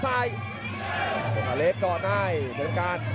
สมการเล็กล็อคไนท์ถึงการ